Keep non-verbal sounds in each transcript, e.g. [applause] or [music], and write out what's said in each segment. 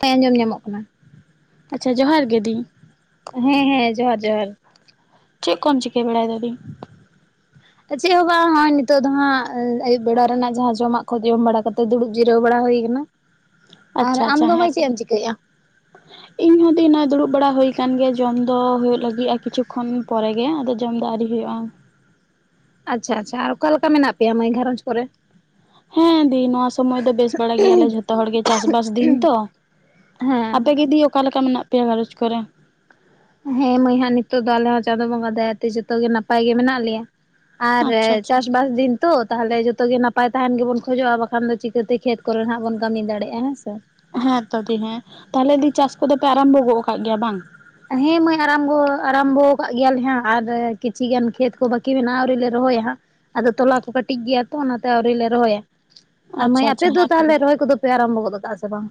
ᱦᱮᱸ ᱟᱸᱡᱚᱢ ᱧᱟᱢᱚᱜ ᱠᱟᱱᱟ ᱟᱪᱪᱷᱟ ᱡᱚᱦᱟᱨ ᱜᱮ ᱫᱤ ᱦᱮᱸ ᱦᱮᱸ ᱡᱚᱦᱟᱨ ᱡᱚᱦᱟᱨ ᱪᱮᱫ ᱠᱚᱢ ᱪᱤᱠᱟᱹ ᱵᱟᱲᱟᱭ ᱫᱟ ᱫᱤ ᱪᱮᱫ ᱦᱚᱸ ᱵᱟᱝ ᱱᱚᱜᱼᱚᱭ ᱱᱤᱛᱚᱜ ᱫᱚ ᱦᱟᱸᱜ ᱟᱭᱩᱵ ᱵᱮᱲᱟ ᱨᱮᱱᱟᱜ ᱡᱟᱦᱟᱸ ᱡᱚᱢᱟᱜ ᱠᱚ ᱡᱚᱢ ᱵᱟᱲᱟ ᱠᱟᱛᱮ ᱫᱩᱲᱩᱵ ᱡᱤᱨᱟᱹᱣ ᱵᱟᱲᱟ ᱦᱩᱭ ᱟᱠᱟᱱᱟ᱾ ᱟᱨ ᱟᱪᱪᱷᱟ ᱟᱢ ᱟᱪᱪᱷᱟ ᱫᱚ ᱢᱟᱹᱭ ᱪᱮᱫ ᱦᱮᱸᱛᱚ ᱮᱢ ᱪᱤᱠᱟᱹᱭᱮᱫᱼᱟ᱾ [inaudible] ᱤᱧ ᱦᱚᱸ ᱫᱤ ᱱᱚᱜ ᱚᱭ ᱫᱩᱲᱩᱵ ᱵᱟᱲᱟ ᱦᱩᱭ ᱟᱠᱟᱱ ᱜᱮᱭᱟ ᱡᱚᱢ ᱫᱚ ᱦᱩᱭᱩᱜ ᱞᱟᱹᱜᱤᱫᱼᱟ ᱠᱤᱪᱷᱩ ᱠᱷᱚᱱ ᱯᱚᱨᱮ ᱜᱮ ᱟᱫᱚ ᱡᱚᱢ ᱫᱚ ᱟᱹᱣᱨᱤ ᱦᱩᱭᱩᱜᱼᱟ᱾ ᱟᱪᱪᱷᱟ ᱟᱪᱪᱷᱟ ᱟᱨ ᱚᱠᱟᱞᱮ ᱞᱮᱠᱟ ᱢᱮᱱᱟᱜ ᱯᱮᱭᱟ ᱢᱟᱹᱭ ᱜᱷᱟᱨᱚᱸᱡᱽ ᱠᱚᱨᱮ ᱦᱮᱸ ᱫᱤ ᱱᱚᱣᱟ ᱥᱚᱢᱚᱭ ᱫᱚ ᱵᱮᱥ ᱵᱟᱲᱟ ᱜᱮᱭᱟᱞᱮ ᱡᱷᱚᱛᱚ ᱦᱚᱲ ᱜᱮ ᱪᱟᱥ ᱵᱟᱥ ᱫᱤᱱ ᱛᱚ ᱦᱮᱸ ᱟᱯᱮ ᱫᱤ ᱚᱠᱟᱞᱮᱠᱟ ᱢᱮᱱᱟᱜ ᱯᱮᱭᱟ ᱜᱷᱟᱨᱚᱸᱡᱽ ᱠᱚᱨᱮ? ᱦᱮᱸ ᱢᱟᱹᱭ ᱦᱟᱸᱜ ᱱᱤᱛᱚᱜ ᱫᱚ ᱟᱞᱮ ᱦᱚᱸ ᱪᱟᱸᱫᱳ ᱵᱚᱸᱜᱟ ᱫᱟᱭᱟᱛᱮ ᱡᱚᱛᱚ ᱜᱮ ᱱᱟᱯᱟᱭ ᱜᱮ ᱢᱮᱱᱟᱜ ᱞᱮᱭᱟ᱾ ᱟᱨ ᱟᱪᱪᱷᱟ ᱟᱪᱪᱷᱟ ᱪᱟᱥᱵᱟᱥ ᱫᱤᱱ ᱛᱚ ᱛᱟᱦᱚᱞᱮ ᱡᱚᱛᱚ ᱜᱮ ᱱᱟᱯᱟᱭ ᱛᱟᱦᱮᱱ ᱜᱮᱵᱚᱱ ᱠᱷᱚᱡᱚᱜᱼᱟ ᱵᱟᱠᱷᱟᱱ ᱫᱚ ᱪᱤᱠᱟᱹᱛᱮ ᱠᱷᱮᱛ ᱠᱚᱨᱮ ᱦᱟᱸᱜ ᱵᱚᱱ ᱠᱟᱹᱢᱤ ᱫᱟᱲᱮᱭᱟᱜᱼᱟ ᱦᱮᱸᱥᱮ ᱦᱮᱸᱛᱚ ᱫᱤ ᱦᱮᱸ ᱛᱟᱦᱚᱞᱮ ᱫᱤ ᱪᱟᱥ ᱠᱚᱫᱚᱯᱮ ᱟᱨᱟᱢᱵᱷᱚ ᱜᱚᱜ ᱟᱠᱟᱫ ᱜᱮᱭᱟ ᱵᱟᱝ ᱦᱮᱸ ᱢᱟᱹᱭ ᱟᱨᱟᱢᱵᱚ ᱟᱨᱟᱢᱵᱚ ᱟᱠᱟᱫ ᱜᱮᱭᱟᱞᱮ ᱦᱟᱸᱜ ᱟᱨ ᱠᱤᱪᱷᱤ ᱜᱟᱱ ᱠᱷᱮᱛ ᱠᱚ ᱵᱟᱹᱠᱤ ᱢᱮᱱᱟᱜᱼᱟ ᱟᱹᱣᱨᱤ ᱞᱮ ᱨᱚᱦᱚᱭᱟ ᱦᱟᱸᱜ ᱟᱫᱚ ᱛᱚᱞᱟ ᱠᱚ ᱠᱟᱹᱴᱤᱡ ᱜᱮᱭᱟ ᱛᱚ ᱚᱱᱟᱛᱮ ᱟᱹᱣᱨᱤ ᱞᱮ ᱨᱚᱦᱚᱭᱟ ᱢᱟᱹᱭ ᱟᱪᱪᱷᱟ ᱟᱯᱮ ᱟᱪᱪᱷᱟ ᱫᱚ ᱦᱮᱸ ᱛᱚᱵᱮ ᱛᱟᱦᱚᱞᱮ ᱨᱚᱦᱚᱭ ᱠᱚᱫᱚ ᱯᱮ ᱟᱨᱟᱢᱵᱚ ᱟᱠᱟᱫᱟ ᱥᱮ ᱵᱟᱝ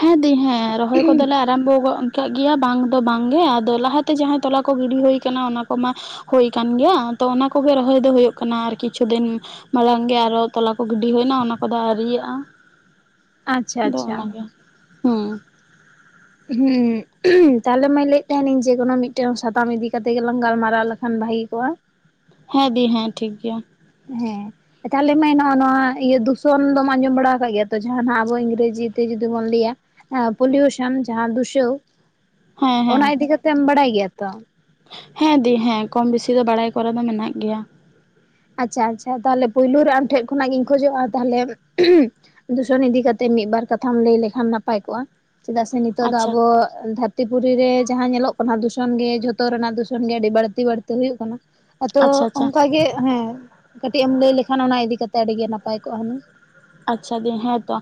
ᱦᱮᱸ ᱫᱤ ᱦᱮᱸ ᱨᱚᱦᱚᱭ ᱠᱚᱞᱮ ᱟᱨᱟᱢᱵᱚ ᱜᱚᱫ ᱠᱟᱜ ᱜᱮᱭᱟ ᱵᱟᱝ ᱫᱚ ᱵᱟᱝᱜᱮ ᱟᱫᱚ ᱞᱟᱦᱟᱛᱮ ᱡᱟᱦᱟᱸᱭ ᱛᱚᱞᱟ ᱠᱚ ᱜᱤᱰᱤ ᱦᱳᱭ ᱟᱠᱟᱱᱟ ᱚᱱᱟ ᱠᱚᱢᱟ ᱦᱩᱭ ᱟᱠᱟᱱ ᱜᱮᱭᱟ ᱛᱚ ᱚᱱᱟᱠᱜᱮ ᱨᱚᱦᱚᱭ ᱫᱚ ᱦᱩᱭᱩᱜ ᱠᱟᱱᱟ ᱟᱨ ᱠᱤᱪᱷᱩ ᱫᱤᱱ ᱢᱟᱲᱟᱝ ᱜᱮ ᱟᱨᱚ ᱛᱚᱞᱟ ᱠᱚ ᱜᱤᱰᱤ ᱦᱩᱭᱱᱟ ᱚᱱᱟ ᱠᱚᱫᱚ ᱟᱹᱣᱨᱤᱭᱟᱜᱼᱟ ᱟᱪᱪᱷᱟ ᱟᱪᱪᱷᱟ ᱦᱩᱸᱻ ᱦᱮᱸ ᱛᱟᱦᱞᱮ ᱢᱟᱹᱭ ᱞᱟᱹᱭᱮᱫ ᱛᱟᱦᱮᱱᱤᱧ ᱡᱮᱠᱳᱱᱳ ᱢᱤᱫᱴᱮᱱ ᱥᱟᱛᱟᱢ ᱤᱫᱤ ᱠᱟᱛᱮ ᱜᱮᱞᱟᱝ ᱜᱟᱞᱢᱟᱨᱟᱣ ᱞᱮᱠᱷᱟᱱ ᱵᱷᱟᱹᱜᱤ ᱠᱚᱜᱼᱟ ᱦᱮᱸ ᱫᱤ ᱦᱮᱸ ᱴᱷᱤᱠ ᱜᱮᱭᱟ ᱦᱮᱸ ᱛᱟᱦᱚᱞᱮ ᱢᱟᱹᱭ ᱱᱚᱣᱟ ᱱᱚᱣᱟ ᱤᱭᱟᱹ ᱫᱩᱥᱚᱱ ᱫᱚᱢ ᱟᱸᱡᱚᱢ ᱵᱟᱲᱟ ᱟᱠᱟᱜ ᱜᱮᱭᱟ ᱛᱚ ᱡᱟᱦᱟᱸ ᱱᱟᱦᱟᱸᱜ ᱟᱵᱚ ᱤᱝᱨᱮᱡᱤ ᱛᱮ ᱡᱩᱫᱤ ᱵᱚᱱ ᱞᱟᱹᱭᱟ ᱯᱚᱞᱤᱭᱩᱥᱚᱱ ᱡᱟᱦᱟᱸ ᱫᱩᱥᱟᱹᱣ ᱦᱮᱸ ᱦᱮᱸ ᱚᱱᱟ ᱤᱫᱤ ᱠᱟᱛᱮᱢ ᱵᱟᱲᱟᱭ ᱜᱮᱭᱟ ᱛᱚ ᱦᱮᱸ ᱫᱤ ᱦᱮᱸ ᱠᱚᱢ ᱵᱮᱥᱤ ᱫᱚ ᱵᱟᱲᱟᱭ ᱠᱚᱨᱮ ᱫᱚ ᱢᱮᱱᱟᱜ ᱜᱮᱭᱟ ᱟᱪᱪᱷᱟ ᱟᱪᱪᱷᱟ ᱛᱟᱦᱞᱮ ᱯᱳᱭᱞᱳ ᱨᱮ ᱟᱢ ᱴᱷᱮᱡ ᱠᱷᱚᱱᱟᱜ ᱜᱤᱧ ᱠᱷᱚᱡᱚᱜᱼᱟ ᱛᱟᱦᱞᱮ ᱫᱩᱥᱚᱱ ᱤᱫᱤ ᱠᱟᱛᱮᱫ ᱢᱤᱫᱵᱟᱨ ᱠᱟᱛᱷᱟᱢ ᱞᱟᱹᱭ ᱞᱮᱠᱷᱟᱱ ᱱᱟᱯᱟᱭ ᱠᱚᱜᱼᱟ ᱪᱮᱫᱟᱜ ᱥᱮ ᱱᱤᱛᱚᱜ ᱫᱚ ᱟᱪᱪᱷᱟ ᱟᱵᱚ ᱫᱷᱟᱹᱨᱛᱤ ᱯᱩᱨᱤ ᱨᱮ ᱡᱟᱦᱟᱸ ᱧᱮᱞᱚᱜ ᱠᱟᱱᱟ ᱫᱷᱩᱥᱚᱱ ᱜᱮ ᱡᱷᱚᱛᱚ ᱨᱮᱱᱟᱜ ᱫᱷᱩᱥᱚᱱ ᱜᱮ ᱟᱹᱰᱤ ᱵᱟᱹᱲᱛᱤ ᱵᱟᱹᱲᱛᱤ ᱦᱩᱭᱩᱜ ᱠᱟᱱᱟ ᱟᱫᱚ ᱟᱪᱪᱷᱟ ᱟᱪᱪᱷᱟ ᱚᱱᱠᱟ ᱜᱮ ᱦᱮᱸ ᱠᱟᱹᱴᱤᱡ ᱮᱢ ᱞᱟᱹᱭ ᱞᱮᱠᱷᱟᱱ ᱚᱱᱟ ᱤᱫᱤ ᱠᱟᱛᱮᱜ ᱟᱹᱰᱤ ᱜᱮ ᱱᱟᱯᱟᱭ ᱠᱚᱜᱼᱟ ᱦᱩᱱᱟᱹᱝ ᱟᱪᱪᱷᱟ ᱫᱤ ᱦᱮᱸ ᱛᱚ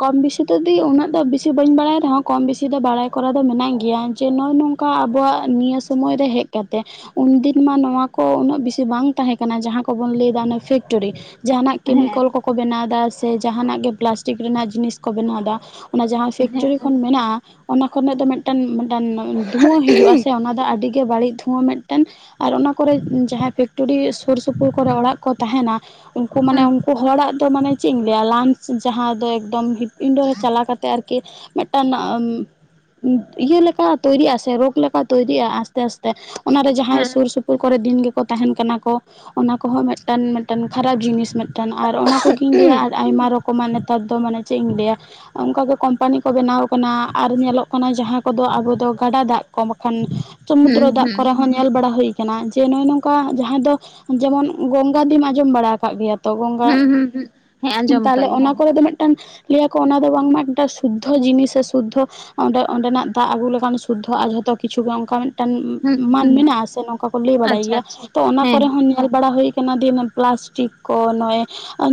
ᱠᱚᱢ ᱵᱮᱥᱤ ᱫᱚ ᱫᱤ ᱩᱱᱟᱹᱜ ᱫᱚ ᱵᱮᱥᱤ ᱵᱟᱹᱧ ᱵᱟᱲᱟᱭᱟ ᱠᱚᱢ ᱵᱮᱥᱤ ᱫᱚ ᱵᱟᱲᱟᱭ ᱠᱚᱨᱟᱣ ᱫᱚ ᱢᱮᱱᱟᱜ ᱜᱮᱭᱟ ᱡᱮ ᱱᱚᱜ ᱱᱚᱝᱠᱟ ᱚᱱᱠᱟ ᱟᱵᱚᱣᱟᱜ ᱱᱤᱭᱟᱹ ᱥᱳᱢᱳᱭ ᱨᱮ ᱦᱮᱡ ᱠᱟᱛᱮ ᱩᱱ ᱫᱤᱱ ᱢᱟ ᱱᱚᱣᱟ ᱠᱚ ᱩᱱᱟᱹᱜ ᱵᱮᱥᱤ ᱵᱟᱝ ᱛᱟᱦᱮᱸ ᱠᱟᱱᱟ ᱡᱟᱦᱟᱸ ᱠᱚᱵᱚᱱ ᱞᱟᱹᱭᱫᱟ ᱚᱱᱟ ᱯᱷᱮᱠᱴᱚᱨᱤ ᱡᱟᱸᱦᱟᱱᱟᱜ ᱦᱮᱸ ᱠᱮᱢᱤᱠᱮᱞ ᱠᱚᱠᱚ ᱵᱮᱱᱟᱣᱫᱟ ᱥᱮ ᱡᱟᱦᱟᱸᱱᱟᱜ ᱜᱮ ᱯᱞᱟᱥᱴᱤᱠ ᱨᱮᱱᱟᱜ ᱡᱤᱱᱤᱥ ᱠᱚ ᱵᱮᱱᱟᱣᱟ ᱚᱱᱟ ᱡᱟᱦᱟᱸ ᱯᱷᱮᱠᱴᱨᱤ ᱦᱮᱸ ᱠᱷᱚᱱ ᱢᱮᱱᱟᱜᱼᱟ ᱚᱱᱟ ᱠᱷᱚᱱᱟᱜ ᱫᱚ ᱢᱤᱫᱴᱟᱝ ᱢᱤᱫᱴᱮᱱ ᱫᱷᱩᱣᱟᱹ ᱦᱤᱡᱩᱜᱼᱟ ᱥᱮ ᱚᱱᱟ ᱫᱚ ᱟᱹᱰᱤ ᱜᱮ ᱵᱟᱹᱲᱤᱡ ᱫᱷᱩᱣᱟᱹ ᱢᱤᱫᱴᱮᱱ ᱟᱨ ᱚᱱᱟ ᱠᱚᱨᱮ ᱡᱟᱦᱟᱸᱭ ᱯᱷᱮᱠᱴᱚᱨᱤ ᱥᱩᱨ ᱥᱩᱯᱩᱨ ᱠᱚᱨᱮ ᱚᱲᱟᱜ ᱠᱚ ᱛᱟᱦᱮᱱᱟ ᱩᱱᱠᱩ ᱢᱟᱱᱮ ᱦᱮᱸ ᱩᱱᱠᱩ ᱦᱚᱲᱟᱜ ᱫᱚ ᱢᱟᱱᱮ ᱪᱮᱫ ᱤᱧ ᱞᱟᱹᱭᱟ ᱞᱟᱱᱪ ᱡᱟᱦᱟᱸ ᱫᱚ ᱮᱠᱫᱚᱢ ᱤᱱᱰᱳ ᱨᱮ ᱪᱟᱞᱟᱣ ᱠᱟᱛᱮ ᱟᱨᱠᱤ ᱠᱤ ᱢᱤᱫᱴᱟᱝ ᱤᱭᱟᱹ ᱞᱮᱠᱟ ᱛᱚᱭᱭᱨᱤᱜ ᱟ ᱥᱮ ᱨᱳᱜᱽ ᱞᱮᱠᱟ ᱛᱚᱭᱭᱨᱤᱜᱼᱟ ᱟᱥᱛᱮ ᱟᱥᱛᱮ ᱚᱱᱟᱨᱮ ᱡᱟᱦᱟᱸᱭ ᱦᱮᱸ ᱥᱩᱨ ᱥᱩᱯᱩᱨ ᱠᱚᱨᱮ ᱫᱤᱱ ᱜᱮ ᱛᱟᱦᱮᱱ ᱠᱟᱱᱟ ᱠᱚ ᱚᱱᱟ ᱠᱚᱦᱚᱸ ᱢᱤᱫᱴᱟᱝ ᱢᱤᱫᱴᱮᱱ ᱠᱷᱟᱨᱟᱯ ᱡᱤᱱᱤᱥ ᱢᱤᱫᱴᱟᱝ ᱟᱨ ᱚᱱᱟ ᱠᱚᱜᱮᱧ ᱞᱟᱹᱭᱟ ᱟᱨ ᱟᱭᱢᱟ ᱨᱚᱠᱚᱢᱟᱜ ᱱᱮᱛᱟᱨ ᱫᱚ ᱢᱟᱱᱮ ᱪᱮᱫ ᱤᱧ ᱞᱟᱹᱭᱟ ᱚᱱᱠᱟᱜᱮ ᱠᱳᱢᱯᱟᱱᱤ ᱠᱚ ᱵᱮᱱᱟᱣ ᱠᱟᱱᱟ ᱟᱨ ᱧᱮᱞᱚᱜ ᱠᱟᱱᱟ ᱡᱟᱦᱟᱸ ᱠᱚᱫᱚ ᱟᱵᱚ ᱫᱚ ᱜᱟᱰᱟ ᱫᱟᱜ ᱠᱚ ᱵᱟᱠᱷᱟᱱ ᱦᱩᱸ ᱥᱚᱢᱩᱫᱨᱚ ᱫᱟᱜ ᱦᱩᱸ ᱠᱚᱨᱮ ᱦᱚᱸ ᱧᱮᱞ ᱵᱟᱲᱟ ᱦᱩᱭ ᱟᱠᱟᱱᱟ ᱡᱮ ᱱᱚᱜᱚᱭ ᱱᱚᱝᱠᱟ ᱡᱟᱦᱟᱸᱭ ᱫᱚ ᱡᱮᱢᱚᱱ ᱜᱚᱝᱜᱟ ᱫᱤᱢ ᱟᱸᱡᱚᱢ ᱵᱟᱲᱟ ᱟᱠᱟᱫ ᱜᱮᱭᱟ᱾ ᱦᱩᱸ ᱦᱩᱸ ᱦᱩᱸ, ᱦᱮᱸ ᱟᱸᱡᱚᱢ ᱛᱟᱦᱞᱮ ᱟᱠᱟᱫ ᱚᱱᱟ ᱜᱤᱭᱟᱹᱧ ᱠᱚᱨᱮ ᱫᱚ ᱢᱤᱫᱴᱟᱝ ᱞᱟᱹᱭᱟᱠᱚ ᱚᱱᱟ ᱫᱚ ᱵᱟᱝᱢᱟ ᱢᱤᱫᱴᱟᱝ ᱥᱩᱫᱽᱫᱷᱚ ᱡᱤᱱᱤᱥ ᱥᱮ ᱥᱩᱫᱽᱫᱷᱚ ᱚᱸᱰᱮ ᱚᱸᱰᱮᱱᱟᱜ ᱫᱟᱜ ᱟᱹᱜᱩ ᱞᱮᱠᱟᱱ ᱥᱩᱫᱽᱫᱷᱚᱜᱼᱟ ᱡᱷᱚᱛᱚ ᱠᱤᱪᱷᱩ ᱜᱮ ᱚᱱᱠᱟ ᱴᱟᱝ ᱦᱩᱸ ᱢᱟᱱ ᱦᱩᱸ ᱢᱮᱱᱟᱜ ᱥᱮ ᱱᱚᱝᱠᱟ ᱠᱚ ᱞᱟᱹᱭ ᱵᱟᱲᱟᱭ ᱟᱪᱪᱷᱟ ᱜᱮᱭᱟ ᱟᱪᱪᱷᱟ ᱛᱚ ᱚᱱᱟ ᱦᱮᱸ ᱠᱚᱨᱮ ᱦᱚᱸ ᱧ ᱮᱞ ᱵᱟᱲᱟ ᱦᱩᱭ ᱟᱠᱟᱱᱟ ᱯᱞᱟᱥᱴᱤᱠ ᱠᱚ ᱱᱚᱜᱚᱭ